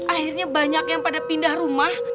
akhirnya banyak yang pada pindah rumah